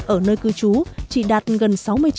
ở nơi cư trú chỉ đạt gần sáu mươi chín